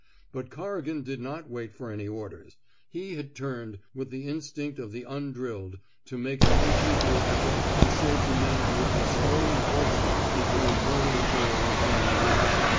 But Corrigan did not wait for any orders; he had turned with the instinct of the undrilled to make an individual effort to save the men who would be slowly roasted between burning floor and burning roof.